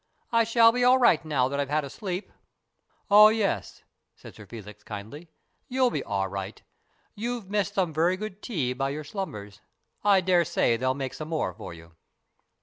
I shall be all right now that I have had a sleep." " Oh, yes," said Sir Felix, kindly. " You'll be all right. You've missed some very good tea by BURDON'S TOMB 95 your slumbers. I dare say they'll make some more for you."